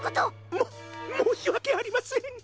もっもうしわけありません！